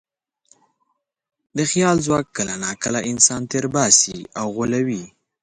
د خیال ځواک کله ناکله انسان تېر باسي او غولوي.